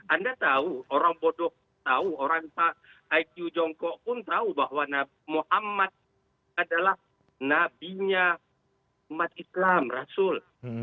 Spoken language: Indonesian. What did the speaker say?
anda tahu orang bodoh tahu orang pak iq jongko pun tahu bahwa muhammad adalah nabinya umat islam rasul